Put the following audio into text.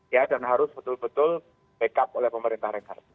ya dan harus betul betul backup oleh pemerintah reinhardt